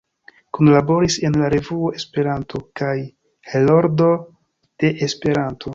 Kunlaboris en "La Revuo, Esperanto" kaj "Heroldo de Esperanto.